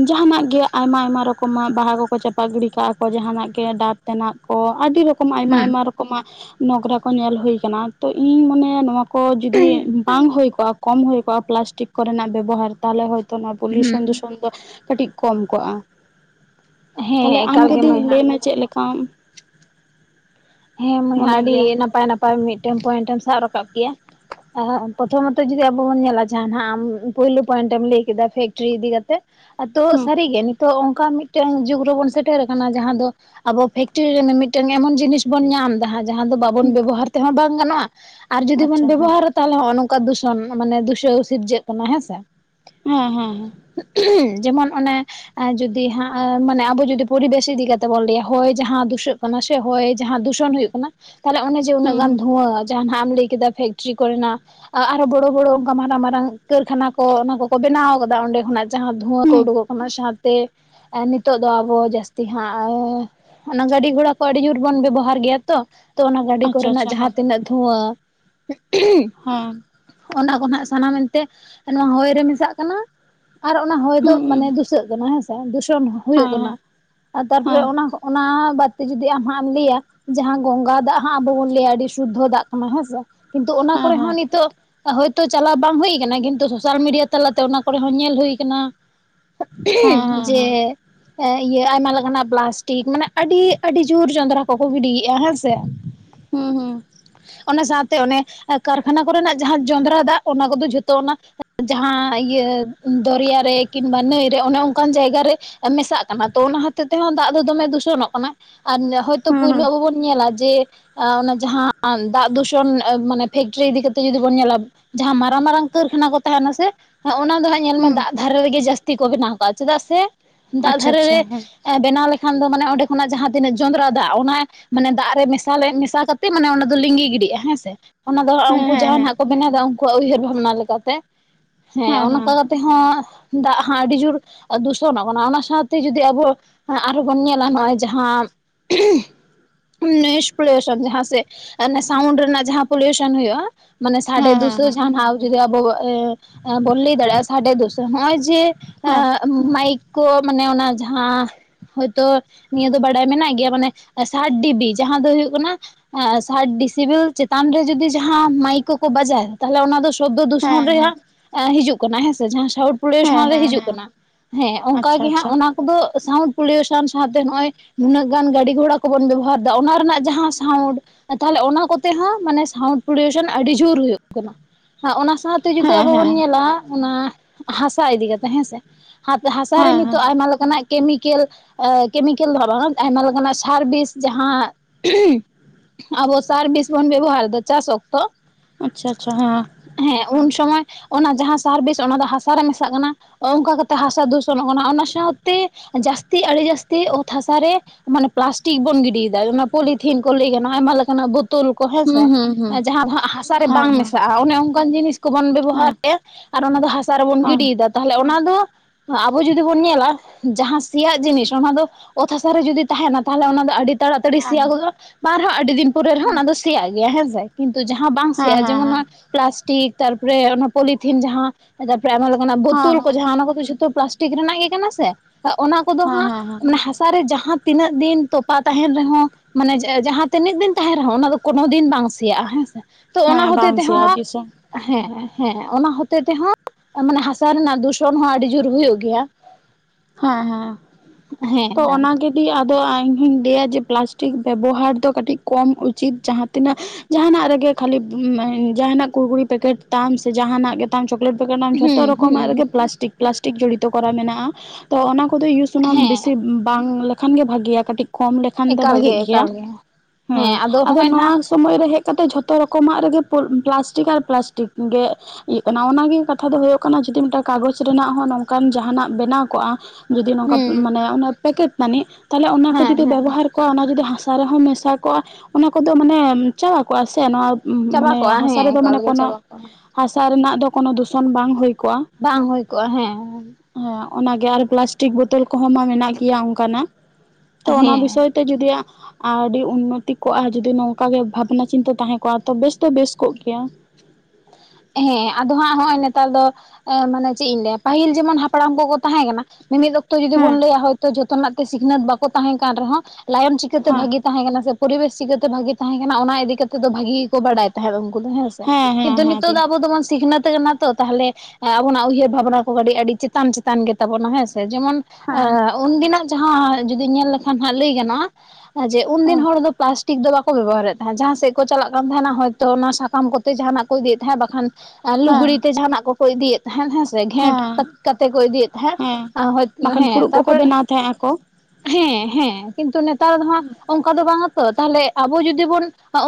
ᱡᱟᱦᱟᱸᱱᱟᱜ ᱜᱮ ᱟᱭᱢᱟ ᱟᱭᱢᱟ ᱨᱚᱠᱚᱢᱟᱜ ᱵᱟᱦᱟ ᱠᱚᱠᱚ ᱪᱟᱯᱟᱜ ᱜᱤᱰᱤ ᱠᱟᱜᱼᱟ ᱠᱚ ᱡᱟᱦᱟᱸᱱᱟᱜ ᱜᱮ ᱰᱟᱵ ᱛᱮᱱᱟᱜ ᱠᱚ ᱟᱹᱰᱤ ᱨᱚ ᱨᱚᱠᱚᱢ ᱠᱚᱢ ᱟᱭᱢᱟ ᱦᱩᱸ ᱟᱭᱢᱟ ᱨᱚᱠᱚᱢᱟᱜ ᱱᱚᱜᱽᱨᱟ ᱠᱚ ᱧᱮᱞ ᱦᱩᱭ ᱟᱠᱟᱱᱟ ᱛᱚ ᱤᱧ ᱢᱚᱱᱮᱭᱟ ᱱᱚᱣᱟ ᱠᱚ ᱡᱩᱫᱤ ᱵᱟᱝ ᱦᱩᱭ ᱠᱚᱜᱼᱟ ᱠᱚᱢ ᱦᱩᱭ ᱠᱚᱜᱼᱟ ᱯᱞᱟᱥᱴᱤᱠ ᱠᱚᱨᱮᱱᱟᱜ ᱵᱮᱵᱚᱦᱟᱨ ᱛᱟᱦᱚᱞᱮ ᱦᱚᱭᱛᱚ ᱚᱱᱟ ᱯᱚᱞᱤᱭᱩᱥᱚᱱ ᱦᱩᱸ ᱫᱩᱥᱚᱱ ᱫᱚ ᱠᱟᱹᱴᱤᱡ ᱠᱚᱢ ᱠᱚᱜᱼᱟ᱾ ᱦᱮᱸ ᱛᱟᱦᱞᱮ ᱟᱢ ᱮᱠᱟᱞ ᱜᱮ ᱡᱫᱤ ᱢᱟᱹᱭ ᱦᱟᱸᱜ ᱞᱟᱹᱭᱢᱮ ᱪᱮᱫ ᱞᱮᱠᱟ ᱟᱢ᱾ ᱦᱮᱸ ᱢᱟᱹᱤ ᱦᱮᱸ ᱟᱹᱰᱤ ᱜᱮᱭᱟ ᱱᱟᱯᱟᱭ ᱱᱟᱯᱟᱭ ᱢᱤᱫᱴᱮᱱ ᱯᱚᱭᱮᱱᱴᱮᱢ ᱥᱟᱜ ᱨᱟᱠᱟᱵ ᱠᱮᱭᱟ᱾ ᱯᱨᱚᱛᱷᱚᱢᱚᱛᱚ ᱡᱚᱫᱤ ᱟᱵᱚ ᱵᱚᱱ ᱧᱮᱞᱟ ᱡᱟᱦᱟᱸᱱᱟᱜ ᱟᱢ ᱯᱳᱭᱞᱳ ᱯᱚᱭᱮᱱᱴ ᱮᱢ ᱞᱟᱹᱭ ᱠᱮᱫᱟ ᱯᱷᱮᱠᱴᱨᱤ ᱤᱫᱤ ᱠᱟᱛᱮᱜ ᱟᱫᱚᱚ ᱦᱩᱸ ᱥᱟᱹᱨᱤᱜᱮ ᱱᱤᱛᱚᱜ ᱚᱱᱠᱟ ᱢᱤᱫ ᱴᱟᱹᱝ ᱡᱩᱜᱽ ᱨᱮᱵᱚᱱ ᱥᱮᱴᱮᱮᱨ ᱟᱠᱟᱱᱟ ᱡᱟᱦᱟᱸ ᱫᱚ ᱟᱵᱚ ᱯᱷᱮᱠᱴᱨᱤ ᱢᱤᱢᱤᱫᱴᱟᱝ ᱮᱢᱚᱱ ᱡᱤᱱᱤᱥ ᱵᱚᱱ ᱧᱟᱢ ᱫᱟ ᱦᱟᱸᱜ ᱡᱟᱦᱟᱸ ᱫᱚ ᱵᱟᱵᱚᱱ ᱦᱩᱸ ᱵᱮᱵᱚᱦᱟᱨ ᱛᱮᱦᱚᱸ ᱵᱟᱝ ᱜᱟᱱᱚᱜᱼᱟ ᱟᱨ ᱡᱩᱫᱤ ᱵᱚᱱ ᱟᱪᱪᱷᱟ ᱦᱮᱸ ᱵᱮᱵᱚᱦᱟᱨᱟ᱾ ᱛᱟᱦᱚᱞᱮ ᱦᱚᱸᱜᱼᱚ ᱱᱚᱝᱠᱟ ᱫᱩᱥᱚᱱ ᱢᱟᱱᱮ ᱫᱩᱥᱟᱹ ᱥᱤᱨᱡᱟᱹᱜ ᱠᱟᱱᱟ ᱦᱮᱸ ᱥᱮ ᱦᱮᱸ ᱦᱮᱸ ᱦᱮᱸ, ᱡᱮᱢᱚᱱ ᱚᱱᱮ ᱡᱩᱫᱤ ᱦᱟᱸᱜ ᱢᱟᱱᱮ ᱟᱵᱚ ᱡᱩᱫᱤ ᱯᱚᱨᱤᱵᱮᱥ ᱤᱫᱤ ᱠᱟᱛᱮᱜ ᱵᱚᱱ ᱞᱟᱹᱭᱟ ᱦᱚᱭ ᱡᱟᱦᱟᱸ ᱫᱩᱥᱟᱹᱜ ᱠᱟᱱᱟ ᱥᱮ ᱦᱚᱭ ᱡᱟᱦᱟᱸ ᱫᱩᱥᱚᱱ ᱦᱩᱭᱩᱜ ᱠᱟᱱᱟ ᱛᱟᱦᱚᱞᱮ ᱚᱱᱮ ᱡᱮ ᱦᱮᱸ ᱩᱱᱟᱹᱜ ᱦᱩᱸ ᱜᱟᱱ ᱦᱩᱸ ᱫᱷᱩᱣᱟᱹ ᱡᱟᱦᱟᱸᱱᱟᱜ ᱮᱢ ᱞᱟᱹᱭ ᱠᱮᱫᱟ ᱯᱷᱮᱠᱴᱨᱤ ᱠᱚᱨᱮᱱᱟᱜ ᱟ ᱟᱨᱚ ᱵᱚᱲᱚ ᱵᱚᱲᱚ ᱚᱱᱠᱟ ᱢᱟᱨᱟᱝ ᱢᱟᱨᱟᱝ ᱠᱟᱹᱨᱠᱷᱟᱱᱟ ᱠᱚ ᱚᱱᱟ ᱠᱚᱠᱚ ᱵᱮᱱᱟᱣ ᱟᱠᱟᱫᱟ ᱚᱸᱰᱮ ᱠᱷᱚᱱᱟᱜ ᱡᱟᱦᱟᱸ ᱫᱷᱩᱣᱟᱹ ᱠᱚ ᱦᱩᱸ ᱩᱰᱩᱠᱚᱜ ᱠᱟᱱᱟ ᱥᱟᱶᱛᱮ ᱱᱤᱛᱚᱜᱜ ᱫᱚ ᱟᱵᱚ ᱡᱟᱹᱥᱛᱤ ᱦᱟᱸᱜ ᱚᱱᱟ ᱜᱟᱹᱰᱤ ᱜᱷᱚᱲᱟ ᱠᱚ ᱟᱹᱰᱤ ᱡᱳᱨ ᱵᱚᱱ ᱵᱮᱵᱚᱦᱟᱨ ᱜᱮᱭᱟ ᱛᱚ ᱛᱚ ᱚᱱᱟ ᱜᱟᱹᱰᱤ ᱟᱪᱪᱷᱟ ᱠᱚᱨᱮᱱᱟᱜ ᱟᱪᱪᱷᱟ ᱡᱟᱦᱟᱸ ᱦᱮᱸ ᱛᱤᱱᱟᱹᱜ ᱫᱷᱩᱣᱟᱟᱹ᱾ ᱦᱮᱸ, ᱚᱱᱟ ᱠᱚ ᱱᱟᱱᱟᱜ ᱥᱟᱱᱟᱢ ᱮᱱᱛᱮ ᱱᱚᱣᱟ ᱦᱚᱭ ᱨᱮ ᱢᱮᱥᱟᱜ ᱠᱟᱱᱟ ᱟᱨ ᱚᱱᱟ ᱦᱚᱭ ᱫᱚ ᱦᱩᱸ ᱢᱟᱱᱮ ᱦᱩᱸ ᱫᱩᱥᱟᱹᱜ ᱠᱟᱱᱟ ᱦᱮᱸᱥᱮ ᱫᱩᱥᱚᱱ ᱦᱚ ᱦᱩᱭᱩᱜ ᱦᱮᱸ ᱦᱮᱸ ᱠᱟᱱᱟ ᱦᱮᱸ ᱛᱟᱨᱯᱚᱨᱮ ᱦᱮᱸ ᱚᱱᱟ ᱚᱱᱟ ᱵᱟᱫᱛᱮ ᱡᱩᱤ ᱟᱢ ᱦᱟᱸᱜ ᱮᱢ ᱞᱟᱹᱭᱟ ᱡᱟᱦᱟᱸ ᱜᱚᱝᱜᱟ ᱫᱟᱜ ᱦᱟᱸᱜ ᱟᱵᱚ ᱵᱚᱱ ᱞᱟᱹᱭᱟ ᱟᱹᱰᱤ ᱥᱩᱫᱫᱷᱚ ᱫᱟᱜ ᱠᱟᱱᱟ ᱦᱮᱸ ᱥᱮ ᱠᱤᱱᱛᱩ ᱚᱱᱟ ᱠᱚᱨᱮ ᱦᱚᱸ ᱱᱤᱛᱚᱜ ᱦᱳᱭᱛᱚ ᱪᱟᱞᱟᱣ ᱵᱟᱝ ᱦᱩᱭ ᱠᱟᱱᱟ ᱠᱤᱱᱛᱩ ᱥᱳᱥᱟᱞ ᱢᱤᱰᱤᱭᱟ ᱛᱟᱞᱟ ᱛᱮ ᱚᱱᱟ ᱠᱚᱨᱮ ᱦᱚᱸ ᱧᱮᱞ ᱦᱩᱭ ᱠᱟᱱᱟ, ᱦᱮᱸ ᱦᱮᱸ ᱦᱮᱸ ᱡᱮ ᱦᱮᱸ ᱤᱭᱟᱹ ᱟᱭᱢᱟ ᱞᱮᱠᱟᱱᱟᱜ ᱯᱮᱞᱟᱥᱴᱤᱠ ᱢᱟᱱᱮ ᱟᱹᱰᱤ ᱟᱹᱰᱤ ᱡᱩᱨ ᱡᱚᱸᱫᱽᱨᱟ ᱠᱚᱠᱚ ᱜᱤᱰᱤᱭᱮᱜᱼᱟ ᱦᱮᱸ ᱥᱮ, ᱦᱩᱸ ᱦᱩᱸ, ᱚᱱᱟ ᱥᱟᱶᱛᱮ ᱚᱱᱮ ᱠᱟᱨᱠᱷᱟᱱᱟ ᱠᱚ ᱨᱮᱱᱟᱜ ᱡᱟᱦᱟᱸ ᱡᱚᱸᱫᱽᱨᱟ ᱫᱟᱜ ᱚᱱᱟ ᱠᱚᱫᱚ ᱡᱷᱚᱛᱚ ᱚᱱᱟ ᱡᱟᱦᱟᱸ ᱤᱭᱟᱹ ᱫᱚᱨᱭᱟ ᱨᱮ ᱠᱤᱱᱵᱟ ᱱᱟᱹᱭ ᱨᱮ ᱚᱱᱮ ᱚᱝᱠᱟᱱ ᱡᱟᱭᱜᱟ ᱨᱮ ᱢᱮᱥᱟᱜ ᱠᱟᱱᱟ, ᱛᱚ ᱚᱱᱟ ᱦᱚᱛᱮ ᱛᱮᱦᱚᱸ ᱫᱟᱜ ᱫᱚ ᱫᱚᱢᱮ ᱫᱷᱩᱥᱚᱱᱚᱜ ᱠᱟᱱᱟ, ᱟᱨ ᱦᱚᱭ ᱛᱚ ᱦᱩᱸ ᱯᱩᱭᱞᱩ ᱦᱩᱸ ᱟᱵᱚ ᱵᱚᱱ ᱧᱮᱞᱟ ᱡᱮ ᱚᱱᱟ ᱡᱟᱦᱟᱸ ᱫᱟᱜ ᱫᱩᱥᱚᱱ ᱢᱟᱱᱮ ᱯᱷᱮᱠᱴᱨᱤ ᱤᱫᱤ ᱠᱟᱛᱮᱜ ᱡᱩᱫᱤ ᱵᱚᱱ ᱧᱮᱞᱟ ᱡᱟᱦᱟᱸ ᱢᱟᱨᱟᱝ ᱢᱟᱨᱟᱝ ᱠᱟᱹᱨᱠᱷᱟᱱᱟ ᱠᱚ ᱛᱟᱦᱮᱸᱱᱟ ᱥᱮ ᱚᱱᱟ ᱫᱚ ᱦᱟᱸᱜ ᱧᱮᱞ ᱢᱮ ᱦᱩᱸ ᱫᱟᱜ ᱫᱷᱟᱨᱮ ᱨᱮᱜᱮ ᱡᱟᱹᱥᱛᱤ ᱠᱚ ᱵᱮᱱᱟᱣ ᱠᱟᱜᱼᱟ, ᱪᱮᱫᱟᱜ ᱥᱮ ᱫᱟᱜ ᱟᱪᱪᱷᱟ ᱫᱷᱟᱨᱮ ᱟᱪᱪᱷᱟ ᱨᱮ ᱦᱮᱸ ᱵᱮᱱᱟᱣ ᱞᱮᱠᱷᱟᱱ ᱫᱚ ᱢᱟᱱᱮ ᱚᱸᱰᱮ ᱠᱷᱚᱱᱟᱜ ᱡᱟᱦᱟᱸ ᱛᱤᱱᱟᱹᱜ ᱡᱚᱸᱫᱽᱨᱟ ᱫᱟᱜ ᱚᱱᱟ ᱢᱟᱱᱮ ᱫᱟᱜ ᱨᱮ ᱢᱮᱥᱟᱞᱮᱱ ᱢᱮᱥᱟ ᱠᱟᱛᱮ ᱢᱟᱱᱮ ᱚᱱᱟ ᱫᱚ ᱞᱤᱸᱜᱤ ᱜᱤᱰᱤᱜᱼᱟ ᱦᱮᱸ ᱥᱮ, ᱚᱱᱟ ᱫᱚ ᱦᱟᱸᱜ ᱦᱮᱸ ᱩᱱᱠᱩ ᱦᱮᱸ ᱡᱟᱦᱟᱸ ᱱᱟᱜ ᱠᱚ ᱦᱮᱸ ᱵᱮᱱᱟᱣ ᱫᱟ ᱩᱝᱠᱩᱣᱟᱜ ᱩᱭᱦᱟᱹᱨ ᱵᱷᱟᱵᱽᱱᱟ ᱞᱮᱠᱟ ᱛᱮ ᱦᱮᱸ ᱚᱱᱠᱟ ᱛᱮᱦᱚᱸ ᱫᱟᱜ ᱦᱟᱸᱜ ᱟᱹᱰᱤ ᱡᱩᱨ ᱫᱩᱥᱚᱱᱚᱜ ᱠᱟᱱᱟ ᱚᱱᱟ ᱥᱟᱶᱛᱮ ᱡᱩᱫᱤ ᱟᱵᱚ ᱦᱮᱸ ᱟᱨ ᱦᱚᱸ ᱵᱚᱱ ᱧᱮᱞᱟ ᱱᱚᱜᱼᱚᱭ ᱡᱟᱦᱟᱸ ᱱᱚᱭᱮᱥ ᱯᱳᱞᱤᱭᱩᱥᱚᱱ ᱡᱟᱦᱟᱸ ᱥᱮᱜ ᱥᱟᱣᱩᱱᱰ ᱨᱮᱱᱟᱜ ᱡᱟᱦᱟᱸ ᱯᱳᱞᱤᱭᱩᱥᱮᱱ ᱦᱩᱭᱩᱜᱼᱟ ᱢᱟᱱᱮ ᱥᱟᱰᱮ ᱦᱮᱸ ᱦᱮᱸ ᱫᱩᱥᱟᱹᱣ ᱡᱟᱦᱟᱸᱱᱟᱜ ᱡᱩᱫᱤ ᱟᱵᱚ ᱵᱚ ᱵᱚᱱ ᱞᱟᱹᱭ ᱫᱟᱲᱮᱜᱼᱟ ᱥᱟᱰᱮ ᱫᱩᱥᱚᱱ ᱦᱚᱜ ᱚᱭ ᱡᱮ ᱢᱟᱭᱤᱠ ᱠᱚ ᱢᱟᱱᱮ ᱚᱱᱟ ᱡᱟᱦᱟᱸ ᱦᱳᱭᱛᱚ ᱱᱤᱭᱟᱹ ᱫᱚ ᱵᱟᱹᱲᱛᱤ ᱵᱟᱰᱟᱭ ᱢᱮᱱᱟᱜ ᱜᱮᱭᱟ ᱢᱟᱱᱮ ᱥᱟᱴ ᱰᱤᱵᱤ ᱡᱟᱦᱟᱸ ᱫᱚ ᱦᱩᱭᱩᱜ ᱠᱟᱱᱟ ᱥᱟᱴ ᱰᱤᱥᱤᱵᱮᱞ ᱪᱮᱛᱟᱱ ᱨᱮ ᱡᱩᱫᱤ ᱡᱟᱦᱟᱸ ᱢᱟᱭᱤᱠ ᱠᱚᱠᱚ ᱵᱟᱡᱟᱭ ᱫᱟ ᱛᱟᱦᱚᱞᱮ ᱚᱱᱟ ᱫᱚ ᱯᱨᱚᱫᱩ ᱦᱮᱸ ᱦᱮᱸ ᱦᱮᱸ ᱦᱮᱸ ᱫᱩᱥᱚᱱ ᱨᱮᱭᱟᱜ ᱦᱤᱡᱩᱜ ᱠᱟᱱᱟ ᱦᱮᱸᱥᱮ ᱡᱟᱦᱟᱸ ᱥᱟᱣᱩᱰ ᱯᱳᱞᱤᱭᱩᱥᱚᱱ ᱦᱮᱸ ᱨᱮ ᱦᱮᱸ ᱦᱤᱡᱩᱜ ᱦᱮᱸ ᱠᱟᱱᱟ ᱦᱮᱸ ᱚᱝᱠᱟ ᱟᱪᱪᱷᱟ ᱜᱮ ᱦᱟᱸᱜ ᱟᱪᱪᱷᱟ ᱚᱱᱟ ᱠᱚᱫᱚ ᱥᱟᱣᱩᱱᱰ ᱯᱳᱞᱤᱭᱩᱥᱚᱱ ᱥᱟᱶᱛᱮ ᱱᱚᱜ ᱚᱭ ᱱᱩᱱᱟᱹᱜ ᱜᱟᱱ ᱜᱟᱹᱰᱤ ᱜᱷᱚᱲᱟ ᱠᱚᱵᱚᱱ ᱵᱮᱵᱚᱦᱟᱨ ᱫᱟ ᱚᱱᱟ ᱨᱮᱱᱟᱜ ᱡᱟᱦᱟᱸ ᱥᱟᱣᱩᱱᱰ ᱛᱟᱦᱞᱮ ᱚᱱᱟ ᱠᱚᱛᱮ ᱦᱚᱸ ᱢᱟᱱᱮ ᱥᱟᱣᱩᱱᱰ ᱯᱳᱞᱤᱭᱩᱥᱚᱱ ᱟᱹᱰᱤ ᱡᱳᱨ ᱦᱩᱭᱩᱜ ᱠᱟᱱᱟ ᱚᱱᱟ ᱥᱟᱶ ᱛᱮ ᱡᱩᱫᱤ ᱦᱮᱸ ᱟᱵᱚ ᱦᱮᱸ ᱵᱚᱱ ᱧᱮᱞᱟ ᱚᱱᱟ ᱦᱟᱥᱟ ᱤᱫᱤ ᱠᱟᱛᱮᱜ ᱦᱮᱸ ᱥᱮ ᱦᱟᱫ ᱦᱟᱥᱟ ᱨᱮ ᱦᱮᱸ ᱱᱤᱛᱚᱜ ᱦᱮᱸ ᱟᱭᱢᱟ ᱞᱮᱠᱟᱱᱟᱜ ᱠᱮᱢᱤᱠᱮᱞ ᱠᱮᱢᱤᱠᱮᱞ ᱫᱚ [unintelligible] ᱟᱭᱢᱟ ᱞᱮᱠᱟᱱᱟᱜ ᱥᱟᱨ ᱵᱤᱥ ᱡᱟᱦᱟᱸ ᱟᱵᱚ ᱥᱟᱨ ᱵᱤᱥ ᱵᱚᱱ ᱵᱮᱵᱚᱦᱟᱨ ᱫᱟ ᱪᱟᱥ ᱚᱠᱛᱚ ᱟᱪᱪᱷᱟ ᱟᱪᱪᱷᱟ ᱦᱮᱸ ᱦᱮᱸ ᱩᱱ ᱥᱚᱢᱚᱭ ᱚᱱᱟ ᱡᱟᱦᱟᱸ ᱥᱟᱨ ᱵᱤᱥ ᱚᱱᱟ ᱫᱚ ᱦᱟᱥᱟ ᱨᱮ ᱢᱮᱥᱟᱜ ᱠᱟᱱᱟ ᱚᱝᱠᱟ ᱠᱟᱛᱮᱜ ᱦᱟᱥᱟ ᱫᱷᱩᱥᱚᱱᱚᱜ ᱠᱟᱱᱟ ᱚᱱᱟ ᱥᱟᱶᱛᱮ ᱡᱟᱹᱥᱛᱤ ᱟᱹᱰᱤ ᱡᱟᱹᱥᱛᱤ ᱚᱛ ᱦᱟᱥᱟ ᱨᱮ ᱢᱟᱱᱮ ᱯᱞᱟᱥᱴᱤᱠ ᱵᱚᱱ ᱜᱤᱰᱤᱭ ᱫᱟ ᱚᱱᱟ ᱯᱚᱞᱤᱛᱷᱤᱱ ᱠᱚ ᱞᱟᱹᱭ ᱜᱟᱱᱚᱜ ᱟ ᱟᱭᱢᱟ ᱞᱮᱠᱟᱱᱟᱜ ᱵᱩᱛ ᱵᱳᱛᱳᱞ ᱠᱚ ᱦᱮᱸᱥᱮ ᱦᱩᱸ ᱦᱩᱸ ᱦᱩᱸ ᱡᱟᱦᱟᱸ ᱫᱚ ᱦᱟᱸᱜ ᱦᱟᱥᱟ ᱨᱮ ᱦᱮᱸ ᱵᱟᱝ ᱦᱮᱸ ᱦᱮᱸ ᱢᱮᱥᱟᱜᱼᱟ ᱚᱱᱮ ᱚᱱᱠᱟᱱ ᱡᱤᱱᱤᱥ ᱠᱚᱵᱚᱱ ᱵᱮᱵᱚᱦᱟᱨ ᱨᱮᱜ ᱟ ᱟᱨ ᱚᱱᱟ ᱫᱚ ᱦᱟᱥᱟ ᱨᱮᱵᱚᱱ ᱦᱮᱸ ᱜᱤᱰᱤᱭ ᱫᱟ ᱛᱟᱦᱚᱞᱮ ᱚᱱᱟ ᱫᱚ ᱟᱵᱚ ᱡᱩᱫᱤ ᱵᱚᱱ ᱧᱮᱞᱟ ᱡᱟᱦᱟᱸ ᱥᱮᱭᱟᱜ ᱡᱤᱱᱤᱥ ᱚᱱᱟ ᱫᱚ ᱚᱛ ᱦᱟᱥᱟ ᱦᱟᱥᱟ ᱨᱮ ᱡᱩᱫᱤ ᱛᱟᱦᱮᱱᱟ ᱛᱟᱦᱚᱞᱮ ᱚᱱᱟ ᱫᱚ ᱟᱹᱰᱤ ᱛᱟᱲᱟᱛᱟᱹᱲᱤ ᱥᱮᱭᱟ ᱜᱚᱫᱚᱜᱼᱟ ᱵᱟᱝ ᱨᱮᱦᱚᱸ ᱟᱹᱰᱤ ᱫᱤᱱ ᱯᱚᱨᱮ ᱨᱮᱦᱚᱸ ᱦᱮᱸ ᱦᱮᱸ ᱚᱱᱟ ᱫᱚ ᱥᱮᱭᱟᱜ ᱜᱮᱭᱟ ᱦᱮᱸᱥᱮ ᱠᱤᱱᱛᱩ ᱡᱟᱦᱟᱸ ᱵᱟᱝ ᱦᱮᱸ ᱥᱮᱭᱟᱜᱼᱟ ᱡᱮᱢᱚᱱ ᱦᱮᱸ ᱱᱚᱜ ᱚᱭ ᱯᱞᱟᱥᱴᱤᱠ ᱛᱟᱨᱯᱚᱨᱮ ᱚᱱᱟ ᱯᱚᱞᱤᱛᱷᱤᱱ ᱡᱟᱦᱟᱸ ᱛᱟᱯᱚᱨᱮ ᱟᱭᱢᱟ ᱞᱮᱠᱟᱱᱟᱜ ᱦᱮᱸ ᱵᱳᱛᱳᱞ ᱠᱚ ᱡᱟᱦᱟᱸ ᱚᱱᱟ ᱠᱚᱫᱚ ᱡᱷᱚᱛᱚ ᱯᱞᱟᱥᱴᱤᱠ ᱨᱮᱱᱟᱜ ᱜᱮ ᱠᱟᱱᱟ ᱥᱮ ᱚᱱᱟ ᱠᱚᱫᱚ ᱦᱮᱸ ᱦᱟᱸᱜ ᱦᱮᱸ ᱦᱮᱸ ᱢᱟᱱᱮ ᱦᱟᱥᱟ ᱨᱮ ᱡᱟᱦᱟᱸ ᱛᱤᱱᱟᱹᱜ ᱫᱤᱱ ᱛᱚᱯᱟ ᱛᱟᱦᱮᱸᱱ ᱨᱮᱦᱚᱸ ᱢᱟᱱᱮ ᱡᱮ ᱡᱟᱦᱟᱸ ᱛᱤᱱᱟᱹᱜ ᱫᱤᱱ ᱛᱟᱦᱮᱸᱱ ᱨᱮᱦᱚᱸ ᱚᱱᱟ ᱫᱚ ᱠᱳᱱᱳ ᱫᱤᱱ ᱵᱟᱝ ᱥᱮᱭᱟᱜᱼᱟ ᱦᱮᱸ ᱥᱮ ᱛᱚ ᱚᱱᱟ ᱦᱮᱸ ᱦᱚᱛᱮ ᱵᱟᱝ ᱥᱮᱭᱟ ᱛᱮᱦᱚᱸ ᱫᱤᱥᱚᱢ ᱦᱮᱸ ᱦᱮᱸ ᱚᱱᱟ ᱦᱚᱛᱮ ᱛᱮᱦᱚᱸ ᱢᱟᱱᱮ ᱦᱟᱥᱟ ᱨᱮᱱᱟᱜ ᱫᱩᱥᱚᱱ ᱦᱚᱸ ᱟᱹᱰᱤ ᱡᱩᱨ ᱦᱩᱭᱩᱜ ᱜᱮᱭᱟ ᱦᱮᱸ ᱦᱮᱸ ᱛᱚ ᱦᱮᱸ ᱚᱱᱟ ᱜᱮ ᱫᱤ [unintelligible] ᱫᱚ ᱤᱧ ᱦᱚᱸᱧ ᱞᱟᱹᱭᱟ ᱡᱮ ᱯᱞᱟᱥᱴᱤᱠ ᱵᱮᱵᱚᱦᱟᱨ ᱫᱚ ᱠᱟᱹᱴᱤᱡ ᱠᱚᱢ ᱩᱪᱤᱛ ᱡᱟᱦᱟᱸ ᱛᱤᱱᱟᱹᱜ ᱡᱟᱦᱟᱸᱱᱟᱜ ᱨᱮᱜᱮ ᱠᱷᱟᱹᱞᱤ ᱡᱟᱦᱟᱸᱱᱟᱜ ᱠᱩᱲᱠᱩᱲᱤ ᱯᱮᱠᱮᱴ ᱛᱟᱢ ᱥᱮ ᱡᱟᱦᱟᱸᱱᱟᱜ ᱜᱮ ᱛᱟᱢ ᱪᱚᱠᱞᱮᱴ ᱯᱮᱠᱮᱴ ᱱᱟᱜ ᱮᱢ ᱦᱩᱸ ᱡᱷᱚᱛᱚ ᱨᱚᱠᱚᱢᱟᱜ ᱦᱩᱸ ᱨᱮᱜᱮ ᱯᱞᱟᱥᱴᱤᱠ ᱯᱞᱟᱥᱴᱤᱠ ᱡᱚᱲᱤᱛᱚ ᱠᱚᱨᱟ ᱢᱮᱱᱟᱜᱼᱟ ᱛᱚ ᱚᱱᱟ ᱠᱚᱫᱚ ᱤᱭᱩᱥ ᱥᱩᱱᱩᱢ ᱦᱮᱸ ᱵᱤᱥᱤ ᱵᱟᱝ ᱞᱮᱠᱷᱟᱱ ᱜᱮ ᱵᱷᱟᱜᱮᱭᱟ ᱠᱟᱹᱴᱤᱡ ᱠᱚᱢ ᱞᱮ ᱠᱷᱟᱱ ᱫᱚ ᱮᱠᱟᱞ ᱜᱮ ᱵᱷᱟᱜᱮᱜ ᱜᱮᱭᱟ ᱮᱠᱟᱞ ᱜᱮ ᱦᱮᱸ ᱟᱫᱚ ᱱᱚᱣᱟ ᱥᱚᱢᱚᱭ ᱨᱮ ᱦᱮ ᱠᱟᱛᱮ ᱡᱷᱚᱛᱚ ᱨᱚᱠᱚᱢᱟᱜ ᱨᱮᱜᱮ ᱯᱞᱟᱥᱴᱤᱠ ᱟᱨ ᱯᱞᱟᱥᱴᱤᱠ ᱜᱮ ᱠᱟᱱᱟ ᱚᱱᱟᱜᱮ ᱠᱟᱛᱷᱟ ᱫᱚ ᱦᱩᱭᱩᱜ ᱠᱟᱱᱟ ᱡᱚᱫᱤ ᱢᱤᱫᱴᱟᱱ ᱠᱟᱜᱚᱡᱽ ᱨᱮᱱᱟᱜ ᱦᱚᱸ ᱱᱚᱝᱠᱟᱱ ᱡᱟᱦᱟᱱᱟᱜ ᱵᱮᱱᱟᱣ ᱠᱚᱜᱼᱟ ᱡᱩᱫᱤ ᱱᱚᱝᱠᱟ ᱦᱩᱸ ᱢᱟᱱᱮ ᱚᱱᱟ ᱯᱮᱠᱮᱴ ᱛᱟᱱᱤᱡ ᱛᱟᱦᱚᱞᱮ ᱚᱱᱟ ᱠᱚ ᱦᱮᱸ ᱡᱩᱫᱤ ᱦᱮᱸ ᱵᱮᱵᱚᱦᱟᱨ ᱠᱚᱣᱟ ᱚᱱᱟ ᱡᱩᱫᱤ ᱦᱟᱥᱟ ᱨᱮᱦᱚᱸ ᱢᱮᱥᱟ ᱠᱚᱜᱼᱟ ᱚᱱᱟ ᱠᱚᱫᱚ ᱢᱟᱱᱮ ᱪᱟᱵᱟ ᱠᱚᱜᱼᱟ ᱥᱮ ᱱᱚᱣᱟ ᱪᱟᱵᱟ ᱢᱟᱱᱮ ᱠᱚᱜᱼᱟ ᱦᱟᱥᱟ ᱦᱮᱸ ᱨᱮᱫᱚ ᱮᱠᱟᱞ ᱢᱟᱱᱮ ᱜᱮ ᱠᱚᱱᱚ ᱪᱟᱵᱟ ᱠᱚᱜᱼᱟ ᱦᱟᱥᱟ ᱨᱮᱱᱟᱜ ᱫᱚ ᱠᱚᱱᱚ ᱫᱩᱥᱚᱱ ᱵᱟᱝ ᱦᱩᱭ ᱠᱚᱜᱼᱟ ᱵᱟᱝ ᱦᱩᱭ ᱠᱚᱜᱼᱟ ᱦᱮᱸ ᱦᱮᱸ ᱚᱱᱟᱜᱮ ᱟᱨ ᱯᱞᱟᱥᱴᱤᱠ ᱵᱚᱛᱳᱞ ᱠᱚᱦᱚᱸ ᱢᱟ ᱢᱮᱱᱟᱜ ᱜᱮᱭᱟ ᱚᱱᱠᱟᱱᱟᱜ ᱛᱚ ᱚᱱᱟ ᱦᱮᱸ ᱵᱤᱥᱚᱭ ᱛᱮ ᱡᱩᱫᱤᱭᱟᱜ ᱟᱹᱰᱤ ᱩᱱᱱᱚᱛᱤ ᱠᱚᱜᱼᱟ ᱡᱚᱫᱤ ᱱᱚᱝᱠᱟᱜᱮ ᱵᱷᱟᱵᱱᱟ ᱪᱤᱱᱛᱟᱹ ᱛᱟᱦᱮᱸ ᱠᱚᱜᱼᱟ ᱛᱚ ᱵᱮᱥ ᱫᱚ ᱵᱮᱥ ᱠᱚᱜ ᱠᱮᱭᱟ ᱦᱮᱸ ᱟᱫᱚ ᱦᱟᱸᱜ ᱦᱚᱜᱼᱚᱭ ᱱᱮᱛᱟᱨ ᱫᱚ ᱮᱸ ᱢᱟᱱᱮ ᱪᱮᱫ ᱤᱧ ᱞᱟᱹᱭᱟ ᱯᱟᱹᱦᱤᱞ ᱡᱮᱢᱚᱱ ᱦᱟᱯᱲᱟᱢ ᱠᱚᱠᱚ ᱛᱟᱦᱮᱸ ᱠᱟᱱᱟ ᱢᱤᱢᱤᱫ ᱚᱠᱛᱚ ᱡᱩᱫᱤ ᱵᱚᱱ ᱦᱮᱸ ᱞᱟᱹᱭᱟ ᱦᱚᱭᱛᱚ ᱡᱚᱛᱚᱱᱟᱜ ᱛᱮ ᱥᱤᱠᱷᱹᱱᱟᱛ ᱵᱟᱠᱚ ᱛᱟᱦᱮᱸ ᱠᱟᱱ ᱨᱮᱦᱚᱸ ᱞᱟᱭᱟᱢ ᱪᱤᱠᱟᱹᱛᱮ ᱦᱮᱸ ᱵᱷᱟᱹᱜᱤ ᱛᱟᱦᱮᱸ ᱠᱟᱱᱟ ᱥᱮ ᱯᱚᱨᱤᱵᱮᱥ ᱪᱤᱠᱟᱹᱛᱮ ᱛᱟᱦᱮᱠᱟᱱᱟᱥᱮ ᱯᱚᱨᱤᱵᱮᱥ ᱪᱤᱠᱟᱹᱛᱮ ᱵᱷᱟᱹᱜᱤ ᱛᱟᱦᱮᱸ ᱠᱟᱱᱟ ᱚᱱᱟ ᱤᱫᱤ ᱠᱟᱛᱮ ᱫᱚ ᱵᱷᱟᱹᱜᱤ ᱜᱮᱠᱚ ᱵᱟᱰᱟᱭ ᱛᱟᱦᱮᱸᱫ ᱩᱱᱠᱩ ᱫᱚ ᱦᱮᱸ ᱦᱮᱸ ᱠᱤᱱᱫᱚ ᱦᱮᱸ ᱱᱤᱛ ᱫᱤ ᱟᱵᱚ ᱫᱚᱵᱚᱱ ᱥᱤᱠᱷᱱᱟᱹᱛ ᱠᱟᱱᱟ ᱛᱚ ᱛᱟᱦᱚᱞᱮ ᱟᱵᱚᱱᱟᱜ ᱩᱭᱦᱟᱹᱨ ᱵᱷᱟᱵᱱᱟ ᱠᱚ ᱠᱟᱹᱴᱤᱡ ᱟᱹᱰᱤ ᱪᱮᱛᱟᱱ ᱪᱮᱛᱟᱱ ᱜᱮ ᱛᱟᱵᱚᱱᱟ ᱦᱮᱸ ᱡᱮᱢᱚᱱ ᱦᱮᱸ ᱩᱱᱫᱤᱱᱟᱜ ᱡᱟᱦᱟᱸ ᱡᱩᱫᱤ ᱧᱮᱞ ᱞᱮᱠᱷᱟᱱ ᱦᱟᱸᱜ ᱞᱟᱹᱭ ᱜᱟᱱᱚᱜᱼᱟ ᱡᱮ ᱩᱱᱫᱤᱱ ᱦᱮᱸ ᱦᱚᱲ ᱫᱚ ᱯᱞᱟᱥ ᱴᱤᱠ ᱫᱚ ᱵᱟᱠᱚ ᱵᱮᱵᱚᱦᱟᱨᱮᱫ ᱛᱟᱦᱮᱸ ᱡᱟᱦᱟᱸ ᱥᱮᱫ ᱠᱚ ᱪᱟᱞᱟᱜ ᱠᱟᱱ ᱛᱟᱦᱮᱸᱱᱟ ᱦᱚᱭᱛᱚ ᱚᱱᱟ ᱥᱟᱠᱟᱢ ᱠᱚᱛᱮ ᱡᱟᱦᱟᱱᱟᱜ ᱠᱚ ᱤᱫᱤᱭᱮᱫ ᱛᱟᱦᱮᱸ ᱵᱟᱠᱷᱟᱱ ᱟᱨ ᱦᱮᱸ ᱞᱩᱜᱽᱲᱤ ᱛᱮ ᱡᱟᱦᱟᱸᱱᱟᱜ ᱠᱚᱠᱚ ᱤᱫᱤᱭᱮᱫ ᱛᱟᱦᱮᱸᱱ ᱦᱮᱸᱥᱮ ᱜᱮᱸᱴ ᱦᱮᱸ ᱠᱟᱛᱮ ᱠᱚ ᱤᱫᱤᱭ ᱛᱟᱦᱮᱸ ᱦᱮᱸ ᱵᱟᱠᱷᱟᱱ ᱦᱮᱸ ᱯᱷᱩᱲᱩᱜ ᱠᱚᱠᱚ ᱛᱟᱨᱯᱚᱨ ᱵᱮᱱᱟᱣ ᱛᱟᱦᱮᱸᱜ ᱟᱠᱚ ᱦᱮᱸ ᱦᱮᱸ ᱠᱤᱱᱛᱩ ᱱᱮᱛᱟᱨ ᱫᱚ ᱦᱟᱸᱜ ᱚᱱᱠᱟ ᱫᱚ ᱵᱟᱝ ᱛᱚ ᱛᱟᱦᱚᱞᱮ ᱟᱵᱚ ᱡᱩᱫᱤ ᱵᱚᱱ